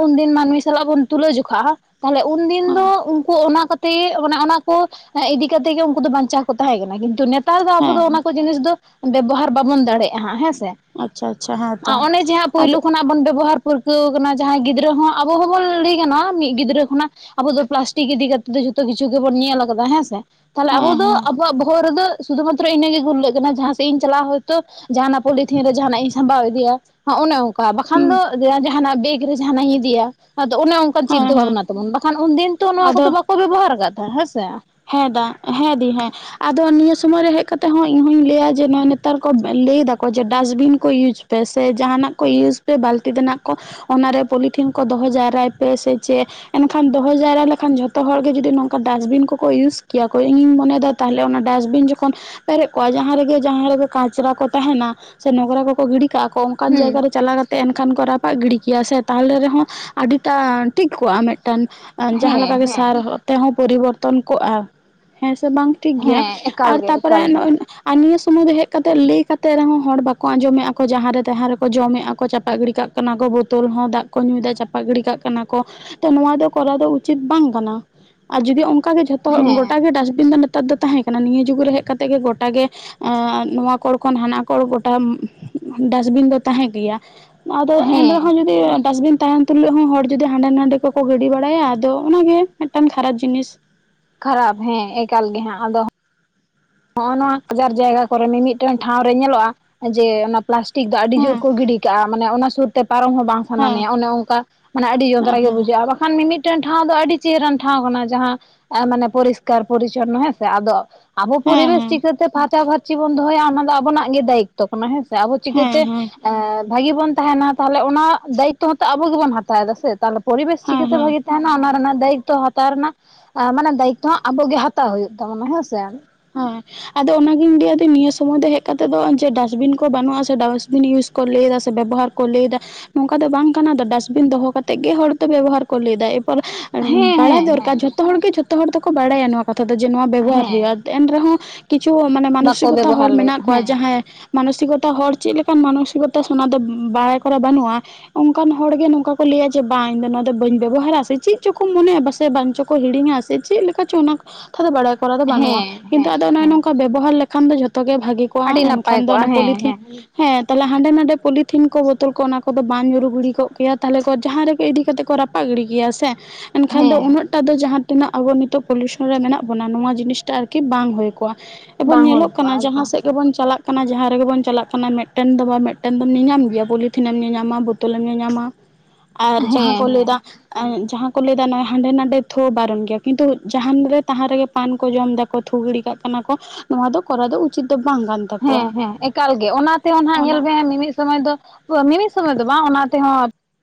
ᱩᱱᱫᱤᱱ ᱢᱟᱹᱱᱢᱤ ᱥᱟᱞᱟᱜ ᱵᱚᱱ ᱛᱩᱞᱟᱹ ᱡᱚᱠᱷᱟᱜᱼᱟ ᱛᱟᱦᱚᱞᱮ ᱩᱱᱫᱤᱱ ᱦᱮᱸ ᱛᱚ ᱩᱱᱠᱩ ᱚᱱᱟ ᱠᱚᱛᱮ ᱚᱱᱮ ᱚᱱᱟ ᱠᱚ ᱤᱫᱤ ᱠᱟᱛᱮ ᱜᱮ ᱩᱱᱠᱩ ᱫᱚ ᱵᱟᱧᱪᱟᱣ ᱠᱚ ᱛᱟᱦᱮᱸ ᱠᱟᱱᱟ ᱠᱤᱱᱛᱩ ᱱᱤᱛ ᱱᱮᱛᱟᱨ ᱫᱚ ᱟᱵᱚ ᱫᱚ ᱚᱱᱟ ᱦᱮᱸ ᱠᱚ ᱡᱤᱱᱤᱥ ᱫᱚ ᱵᱮᱵᱚᱦᱟᱨ ᱵᱟᱵᱚᱱ ᱫᱟᱲᱮᱭᱟᱜᱼᱟ ᱦᱟᱸᱜ ᱦᱮᱸ ᱥᱮ ᱟᱸ ᱟᱪᱪᱷᱟ ᱟᱪᱪᱷᱟ ᱦᱮᱸ ᱛᱚ ᱚᱱᱮ ᱡᱮ ᱦᱟᱸᱜ ᱟᱫᱚ ᱯᱳᱭᱞᱳ ᱠᱷᱚᱱᱟᱜ ᱵᱚᱱ ᱵᱮᱵᱚᱦᱟᱨ ᱯᱟᱹᱨᱠᱟᱹᱣ ᱠᱟᱱᱟ ᱡᱟᱦᱟᱸᱭ ᱜᱤᱫᱽᱨᱟᱹ ᱦᱚᱸ ᱟᱵᱚ ᱦᱚᱸᱵᱚᱱ ᱞᱟᱹᱭ ᱜᱟᱱᱚᱜᱼᱟ ᱢᱤᱫ ᱜᱤᱫᱽᱨᱟᱹ ᱠᱷᱚᱱᱟᱜ ᱟᱵᱚ ᱫᱚ ᱯᱞᱟᱥᱴᱤᱠ ᱤᱫᱤ ᱠᱟᱛᱮᱫ ᱫᱚ ᱡᱷᱚᱛᱚ ᱠᱤᱪᱷᱩ ᱜᱮᱵᱚᱱ ᱧᱮᱞ ᱟᱠᱟᱫᱟ ᱦᱮᱸ ᱥᱮ ᱛᱟᱦᱚᱞᱮ ᱟᱵᱚ ᱦᱮᱸ ᱫᱚ ᱦᱮᱸ ᱟᱵᱚᱣᱟᱜ ᱵᱚᱦᱚᱜ ᱨᱮᱫᱚ ᱥᱩᱫᱷᱩ ᱢᱤᱛᱨᱳ ᱤᱱᱟᱹᱜᱮ ᱜᱩᱨᱩᱞᱞᱟᱹᱜ ᱠᱟᱱᱟ ᱡᱟᱦᱟᱸᱥᱮᱫ ᱤᱧ ᱪᱟᱞᱟᱜᱼᱟ ᱦᱚᱭᱛᱳ ᱡᱟᱦᱟᱸᱱᱟᱜ ᱯᱚᱞᱤᱛᱷᱤᱱ ᱨᱮ ᱡᱟᱦᱟᱸᱱᱟᱜ ᱤᱧ ᱥᱟᱢᱵᱟᱣ ᱤᱫᱤᱭᱟ ᱦᱚᱸ ᱚᱱᱮ ᱚᱸ ᱵᱟᱠᱷᱟᱱ ᱦᱩᱸ ᱫᱚ ᱡᱟᱦᱟᱱᱟᱜ ᱵᱮᱜᱽ ᱨᱮ ᱡᱟᱦᱟᱱᱟᱜ ᱤᱧ ᱤᱫᱤᱭᱟ ᱟᱫᱚ ᱚᱱᱮ ᱚᱱᱠᱟᱱ ᱦᱮᱸ ᱪᱤᱱᱛᱟᱹ ᱦᱮᱸ ᱵᱷᱟᱵᱽᱱᱟ ᱛᱟᱵᱚᱱ ᱵᱟᱝ ᱩᱱᱫᱤᱱ ᱛᱚ ᱱᱚᱣᱟ ᱟᱫᱚ ᱠᱚᱫᱚ ᱵᱟᱠᱚ ᱵᱮᱵᱚᱦᱟᱨ ᱟᱠᱟᱸᱫ ᱛᱟᱦᱮᱸ ᱦᱮᱸᱥᱮ ᱦᱮᱸ ᱫᱟ ᱦᱮᱸ ᱫᱤ ᱦᱮᱸ ᱟᱫᱚ ᱱᱤᱭᱟᱹ ᱥᱚᱢᱚᱭ ᱨᱮ ᱦᱮᱡ ᱠᱟᱛᱮᱜ ᱦᱚᱸ ᱤᱧᱦᱩᱧ ᱞᱟᱹᱭᱟ ᱡᱮ ᱱᱮ ᱱᱮᱛᱟᱨ ᱠᱚ ᱞᱟᱹᱭ ᱫᱟᱠᱚ ᱡᱮ ᱰᱟᱥᱴᱵᱤᱱ ᱠᱚ ᱤᱭᱩᱡᱽ ᱯᱮ ᱥᱮ ᱡᱟᱦᱟᱸᱱᱟᱜ ᱠᱚ ᱤᱭᱩᱡᱽ ᱯᱮ ᱵᱟᱹᱞᱛᱤ ᱛᱮᱱᱟᱜ ᱠᱚ ᱚᱱᱟᱨᱮ ᱯᱚᱞᱤᱛᱷᱤᱱ ᱠᱚ ᱫᱚᱦᱚ ᱡᱟᱣᱨᱟᱭ ᱯᱮ ᱥᱮ ᱪᱮᱫ ᱮᱱᱠᱷᱟᱱ ᱫᱚᱦᱚ ᱡᱟᱣᱨᱟ ᱞᱮᱠᱷᱟᱱ ᱡᱷᱚᱛᱚ ᱦᱚᱲ ᱜᱮ ᱡᱩᱫᱤ ᱱᱚᱝᱠᱟ ᱰᱟᱥᱴᱵᱤᱱ ᱠᱚ ᱠᱚ ᱤᱭᱩᱡᱽ ᱠᱮᱭᱟ ᱠᱚ ᱤᱧᱤᱧ ᱢᱚᱱᱮᱭᱮᱫᱟ ᱛᱟᱦᱚᱞᱮ ᱚᱱᱟ ᱰᱟᱥᱵᱤᱱ ᱡᱚᱠᱷᱚᱱ ᱯᱮᱨᱮᱡ ᱠᱚᱜᱼᱟ ᱡᱟᱦᱟᱸ ᱨᱮᱜᱮ ᱡᱟᱦᱟᱸ ᱨᱮᱜᱮ ᱠᱟᱪᱨᱟ ᱠᱚ ᱛᱟᱦᱮᱱᱟ ᱥᱮ ᱱᱚᱝᱨᱟ ᱠᱚᱠᱚ ᱜᱤᱰᱤ ᱠᱟᱜᱼᱟ ᱠᱚ ᱠᱟᱱ ᱦᱩᱸ ᱡᱟᱭᱜᱟ ᱨᱮ ᱪᱟᱞᱟᱣ ᱠᱟᱛᱮ ᱮᱱᱠᱷᱟᱱ ᱠᱚ ᱨᱟᱯᱟᱜ ᱜᱤᱰᱤ ᱠᱮᱭᱟ ᱥᱮ ᱛᱟᱦᱚᱞᱮ ᱨᱮᱦᱚᱸ ᱟᱹᱰᱤᱴᱟ ᱴᱷᱤᱠ ᱠᱚᱜᱼᱟ ᱢᱤᱫᱴᱟᱝ ᱡᱟᱦᱟᱸ ᱞᱮᱠᱟ ᱦᱮᱸ ᱜᱮ ᱦᱮᱸ ᱥᱟᱨ ᱛᱮ ᱦᱚᱸ ᱯᱚᱨᱤᱵᱚᱨᱛᱚᱱ ᱠᱚᱜᱼᱟ ᱦᱮᱸ ᱥᱮ ᱵᱟᱝ ᱴᱷᱤᱠ ᱜᱮᱭᱟ ᱦᱮᱸ ᱮᱠᱟᱞ ᱟᱨ ᱜᱮ ᱛᱟᱯᱚᱨᱮ ᱮᱠᱟᱞ ᱱᱚᱜ ᱜᱮ ᱚᱭ ᱟᱨ ᱱᱤᱭᱟᱹ ᱥᱳᱢᱳᱭ ᱫᱚ ᱦᱮᱡ ᱠᱟᱛᱮ ᱞᱟᱹᱭ ᱠᱟᱛᱮ ᱨᱮᱦᱚᱸ ᱦᱚᱲ ᱵᱟᱠᱚ ᱟᱸᱡᱚᱢᱮᱼᱟ ᱠᱚ ᱡᱟᱦᱟᱸ ᱨᱮ ᱛᱟᱦᱟᱸ ᱨᱮᱠᱚ ᱡᱚᱢᱮᱼᱟ ᱠᱚ ᱪᱟᱯᱟᱸ ᱜᱤᱰᱤ ᱠᱟᱸᱜ ᱠᱟᱱᱟ ᱠᱚ ᱵᱳᱛᱳᱞ ᱦᱚᱸ ᱫᱟᱜ ᱠᱚ ᱧᱩᱭᱫᱟ ᱪᱟᱯᱟᱜ ᱜᱤᱰᱤ ᱠᱟᱜ ᱠᱟᱱᱟ ᱠᱚ ᱛᱚ ᱱᱚᱣᱟ ᱫᱚ ᱠᱚᱨᱟᱣ ᱫᱚ ᱩᱪᱤᱛ ᱵᱟᱝ ᱠᱟᱱᱟ ᱟᱨ ᱡᱩᱫᱤ ᱚᱱᱠᱟ ᱜᱮ ᱡᱷᱚᱛᱚ ᱦᱚᱲ ᱦᱮᱸ ᱜᱚᱴᱟ ᱜᱮ ᱰᱟᱥᱴᱵᱤᱱ ᱫᱚ ᱱᱮᱛᱟᱨ ᱫᱚ ᱛᱟᱦᱮᱸ ᱠᱟᱱᱟ ᱱᱤᱭᱟᱹ ᱡᱩᱜᱽ ᱨᱮ ᱦᱮᱡ ᱠᱟᱛᱮ ᱜᱮ ᱜᱚᱴᱟ ᱜᱮ ᱟᱸ ᱱᱚᱣᱟ ᱠᱚᱲ ᱠᱷᱚᱱ ᱦᱟᱱᱟ ᱠᱚᱲ ᱜᱚᱴᱟ ᱰᱟᱥᱴᱵᱤᱱ ᱫᱚ ᱛᱟᱦᱮᱸ ᱜᱮᱭᱟ ᱟᱫᱚ ᱮᱱ ᱦᱮᱸ ᱨᱮᱦᱚᱸ ᱡᱩᱫᱤ ᱰᱟᱥᱵᱤᱱ ᱛᱟᱦᱮᱱ ᱛᱩᱞᱩᱡ ᱦᱚᱸ ᱦᱚᱲ ᱡᱩᱫᱤ ᱦᱟᱸᱰᱮ ᱱᱟᱸᱰᱮ ᱠᱚᱠᱚ ᱜᱤᱰᱤ ᱵᱟᱲᱟᱭᱟ ᱟᱫᱚ ᱚᱱᱟ ᱜᱮ ᱢᱤᱫᱴᱟᱝ ᱠᱷᱟᱨᱟᱯ ᱡᱤᱱᱤᱥ ᱠᱷᱟᱨᱟᱯ ᱦᱮᱸ ᱮᱠᱟᱞ ᱜᱮ ᱦᱟᱸᱜ ᱟᱫᱚ ᱱᱚᱜᱼᱚ ᱱᱚᱣᱟ ᱵᱟᱡᱟᱨ ᱡᱟᱭᱜᱟ ᱠᱚᱨᱮ ᱢᱤᱢᱤᱫᱴᱟᱝ ᱴᱷᱟᱶ ᱨᱮ ᱧᱮᱞᱚᱜᱼᱟ ᱡᱮ ᱚᱱᱟ ᱯᱞᱟᱥᱴᱤᱠ ᱫᱚ ᱟᱹᱰᱤ ᱡᱳᱨ ᱦᱮᱸ ᱠᱚ ᱜᱤᱰᱤ ᱠᱟᱜᱼᱟ ᱢᱟᱱᱮ ᱚᱱᱟ ᱥᱩᱨᱛᱮ ᱯᱟᱨᱚᱢ ᱦᱚᱸ ᱵᱟᱝ ᱥᱟᱱᱟ ᱦᱮᱸ ᱢᱮᱭᱟ ᱚᱱᱮ ᱚᱱᱠᱟ ᱢᱟᱱᱮ ᱟᱹᱰᱤ ᱡᱚᱱᱛᱨᱟ ᱦᱮᱸ ᱜᱮ ᱵᱩᱡᱷᱟᱹᱜᱼᱟ ᱵᱟᱠᱷᱟᱱ ᱢᱤᱢᱤᱫ ᱢᱤᱫᱴᱮᱱ ᱴᱷᱟᱶ ᱫᱚ ᱟᱹᱰᱤ ᱪᱮᱦᱨᱟᱱ ᱴᱷᱟᱶ ᱠᱟᱱᱟ ᱡᱟᱦᱟᱸ ᱢᱟᱱᱮ ᱯᱚᱨᱤᱥᱠᱟᱨ ᱯᱚᱨᱤᱪᱷᱚᱱᱱᱚ ᱦᱮᱸᱥᱮ ᱟᱫᱚ ᱟᱵᱚ ᱦᱮᱸ ᱯᱚᱨᱤᱵᱮᱥ ᱦᱮᱸ ᱦᱮᱸ ᱪᱤᱠᱟᱹᱛᱮ ᱯᱷᱟᱨᱪᱟᱼ ᱯᱷᱟᱨᱪᱤ ᱵᱚᱱ ᱫᱚᱦᱚᱭᱟ ᱚᱱᱟ ᱫᱚ ᱟᱵᱚᱱᱟᱜ ᱜᱮ ᱫᱟᱭᱤᱛᱛᱚ ᱛᱚ ᱠᱟᱱᱟ ᱦᱮᱸ ᱥᱮ ᱟᱵᱚ ᱪᱤᱠᱟᱹᱛᱮ ᱦᱮᱸ ᱦᱮᱸ ᱵᱷᱟᱹᱜᱤ ᱵᱚᱱ ᱛᱟᱦᱮᱱᱟ ᱛᱟᱦᱚᱞᱮ ᱚᱱᱟ ᱫᱟᱭᱤᱛᱛᱚ ᱦᱚᱸᱛᱚ ᱟᱵᱚ ᱜᱮᱵᱚᱱ ᱦᱟᱛᱟᱣ ᱮᱫᱟ ᱥᱮ ᱛᱟᱦᱚᱞᱮ ᱯᱚᱨᱤᱵᱮᱥ ᱦᱮᱸ ᱦᱮᱸ ᱪᱤᱠᱟᱹᱛᱮ ᱦᱮᱸ ᱵᱷᱟᱹᱜᱤ ᱛᱟᱦᱮᱱᱟ ᱚᱱᱟ ᱨᱮᱱᱟᱜ ᱫᱟᱭᱤᱛᱛᱚ ᱦᱟᱛᱟᱣ ᱨᱮᱱᱟᱜ ᱢᱟᱱᱮ ᱫᱟᱭᱤᱛᱛᱚ ᱦᱚᱸ ᱟᱵᱚ ᱜᱮ ᱦᱟᱛᱟᱣ ᱦᱩᱭᱩᱜ ᱛᱟᱵᱚᱱᱟ ᱦᱮᱸᱥᱮ ᱦᱮ ᱟᱫᱚ ᱚᱱᱟᱜᱤᱧ ᱞᱟᱹᱭ ᱱᱤᱭᱟᱹ ᱥᱳᱢᱳᱭ ᱫᱚ ᱦᱮᱡ ᱠᱟᱛᱮᱫ ᱫᱚ ᱡᱮ ᱰᱟᱥᱵᱤᱱ ᱠᱚ ᱵᱟᱹᱱᱩᱜᱼᱟ ᱥᱮ ᱰᱟᱥᱵᱤᱱ ᱤᱭᱩᱡᱽ ᱠᱚ ᱞᱟᱹᱭ ᱮᱫᱟ ᱥᱮ ᱵᱮᱵᱚᱦᱟᱨ ᱠᱚ ᱞᱟᱹᱭ ᱮᱫᱟ ᱱᱚᱝᱠᱟ ᱫᱚ ᱵᱟᱝ ᱠᱟᱱᱟ ᱰᱟᱥᱴᱵᱤᱱ ᱫᱚᱦᱚ ᱠᱟᱛᱮᱫ ᱜᱮ ᱦᱚᱲ ᱫᱚ ᱵᱮᱵᱚᱦᱟᱨ ᱠᱚ ᱞᱟᱹᱭᱫᱟ ᱮᱨᱯᱚᱨ ᱦᱮᱸ ᱵᱟᱲᱟᱭ ᱦᱮᱸ ᱫᱚᱨᱠᱟᱨ ᱦᱮᱸ ᱡᱷᱚᱛᱚ ᱦᱚᱲᱜᱮ ᱡᱷᱚᱛᱚ ᱦᱚᱲ ᱫᱚᱠᱚ ᱵᱟᱲᱟᱭᱟ ᱱᱚᱣᱟ ᱠᱟᱛᱷᱟ ᱫᱚ ᱡᱮ ᱱᱚᱣᱟ ᱵᱮᱵᱚᱦᱟᱨ ᱦᱮᱸ ᱦᱩᱭᱩᱜᱼᱟ ᱮᱱ ᱨᱮᱦᱚᱸ ᱠᱤᱪᱷᱩ ᱢᱟᱱᱮ ᱵᱟᱠᱚ ᱢᱟᱱᱚᱥᱤᱠᱚᱛᱟ ᱦᱚᱲ ᱵᱮᱵᱚᱦᱟᱨ ᱞᱟᱹᱜᱤᱫ ᱢᱮᱱᱟᱜ ᱠᱚᱣᱟ ᱦᱮᱸ ᱡᱟᱦᱟᱸᱭ ᱢᱟᱱᱚᱥᱤᱠᱚᱛᱟ ᱦᱚᱲ ᱪᱮᱫ ᱞᱮᱠᱟᱱ ᱢᱟᱱᱚᱥᱤᱠᱚᱛᱟ ᱫᱚ ᱵᱟᱲᱟᱭ ᱠᱚᱨᱟ ᱵᱟᱹᱱᱩᱜᱼᱟ ᱚᱱᱠᱟᱱ ᱦᱚᱲᱜᱮ ᱱᱚᱝᱠᱟ ᱠᱚ ᱞᱟᱹᱭᱟ ᱡᱮ ᱵᱟᱝ ᱤᱧ ᱫᱚ ᱱᱚᱣᱟ ᱫᱚ ᱵᱟᱹᱧ ᱵᱮᱵᱚᱦᱟᱨᱟ ᱥᱮ ᱪᱮᱫ ᱪᱚᱠᱚ ᱢᱚᱱᱮᱭᱟ ᱯᱟᱥᱮ ᱵᱟᱝ ᱪᱚ ᱠᱚ ᱠᱚ ᱦᱤᱲᱤᱧᱟ ᱥᱮ ᱪᱮᱫ ᱞᱮᱠᱟ ᱪᱚ ᱚᱱᱟ ᱠᱟᱛᱷᱟ ᱫᱚ ᱵᱟᱲᱟᱭ ᱫᱚ ᱵᱟᱹᱱᱩᱜᱼᱟ ᱦᱮᱸ ᱠᱤᱱᱛᱩ ᱦᱮᱸ ᱟᱫᱚ ᱱᱚᱜ ᱦᱮᱸ ᱱᱚᱝᱠᱟ ᱵᱮᱵᱚᱦᱟᱨ ᱞᱮᱠᱷᱟᱱ ᱫᱚ ᱡᱚᱛ ᱜᱮ ᱵᱷᱟᱜᱤ ᱠᱚ ᱟᱹᱰᱤ ᱠᱚ ᱱᱟᱯᱟᱭ ᱮᱱᱠᱷᱟᱱ ᱫᱚ ᱠᱚᱜᱼᱟ ᱚᱱᱮ ᱦᱮᱸ ᱯᱚᱞᱤᱛᱷᱤᱱ ᱦᱮᱸ ᱦᱮᱸ ᱛᱟᱦᱚᱞᱮ ᱦᱟᱸᱰᱮ ᱱᱟᱰᱮ ᱯᱚᱞᱤᱛᱷᱤᱱ ᱠᱚ ᱵᱳᱛᱚᱞ ᱠᱚ ᱚᱱᱟ ᱠᱚᱫᱚ ᱵᱟᱝ ᱧᱩᱨᱩ ᱜᱷᱤᱲᱤ ᱠᱚᱜ ᱠᱮᱭᱟ ᱛᱟᱦᱚᱞᱮ ᱠᱚ ᱡᱟᱦᱟᱸ ᱨᱮ ᱠᱚ ᱤᱫᱤᱠᱟᱛᱮ ᱠᱚ ᱨᱟ ᱯᱟᱜ ᱜᱤᱰᱤ ᱠᱮᱭᱟ ᱥᱮ, ᱮᱱᱠᱷᱟᱱ ᱫᱚ ᱦᱮᱸ ᱩᱱᱟᱹᱜ ᱴᱟᱜ ᱫᱚ ᱡᱟᱦᱟᱸ ᱛᱤᱱᱟᱹᱜ ᱟᱵᱚ ᱱᱤᱛᱚᱜ ᱯᱚᱞᱤᱭᱩᱥᱚᱱ ᱨᱮ ᱢᱮᱱᱟᱜ ᱵᱚᱱᱟ ᱱᱚᱣᱟ ᱡᱤᱱᱤᱥᱴᱟᱜ ᱟᱨ ᱠᱤ ᱵᱟᱝ ᱦᱩᱭ ᱠᱚᱜᱼᱟ ᱮᱵᱚᱝ ᱵᱟᱝ ᱦᱩᱭ ᱧᱮᱞᱚᱜ ᱠᱚᱜᱼᱟ ᱠᱟᱱᱟ ᱡᱟᱦᱟᱸ ᱮᱠᱫᱚᱢ ᱥᱮᱫ ᱜᱮ ᱵᱚᱱ ᱪᱟᱞᱟᱜ ᱠᱟᱱᱟ ᱡᱟᱦᱟᱸ ᱨᱮᱜᱮ ᱵᱚᱱ ᱪᱟᱞᱟᱜ ᱠᱟᱱᱟ ᱢᱮᱫᱴᱮᱱ ᱫᱚ ᱵᱟᱝ ᱢᱮᱫᱴᱮᱱ ᱫᱚᱢ ᱧᱮᱧᱟᱢ ᱜᱮᱭᱟ ᱯᱚᱞᱤᱛᱷᱤᱱᱮᱢ ᱧᱮᱧᱟᱢᱟ ᱵᱳ ᱛᱳᱞᱮᱢ ᱧᱮᱞᱧᱟᱢᱟ, [inaudible] ᱟᱨ ᱡᱟᱦᱟᱸ ᱦᱮᱸ ᱠᱚ ᱞᱟᱹᱭ ᱦᱮᱸ ᱮᱫᱟ ᱡᱟᱦᱟᱸ ᱠᱚ ᱞᱟᱹᱭ ᱮᱫᱟ ᱱᱚᱜᱚᱭ ᱦᱟᱸᱰᱮ ᱱᱟᱰᱮ ᱛᱷᱳ ᱵᱟᱨᱚᱱ ᱜᱮᱭᱟ ᱠᱤᱱᱛᱩ ᱡᱟᱦᱟᱸᱟᱱ ᱨᱮ ᱛᱟᱦᱟ ᱨᱮᱜᱮ ᱯᱟᱱ ᱠᱚ ᱡᱚᱢ ᱮᱫᱟ ᱛᱷᱩ ᱜᱤᱲᱤ ᱠᱟᱜ ᱠᱟᱱᱟ ᱠᱚ ᱱᱚᱣᱟ ᱫᱚ ᱠᱚᱨᱟᱣ ᱫᱚ ᱩᱪᱤᱛ ᱫᱚ ᱵᱟᱝ ᱠᱟᱱ, ᱛᱟᱠᱚᱣᱟ ᱦᱮᱸ ᱦᱮᱸ ᱮᱠᱟᱞ ᱜᱮ ᱚᱱᱟ ᱛᱮᱦᱚᱸ ᱱᱟᱜ ᱧᱮᱞ ᱚᱱᱟ ᱵᱮᱱ ᱢᱤᱢᱤᱫ ᱥᱚᱢᱚᱭ ᱫᱚ ᱢᱤᱢᱤᱫ ᱥᱚᱢᱚᱭ ᱫᱚ ᱵᱟᱝ ᱚᱱᱟ ᱛᱮᱦᱚᱸ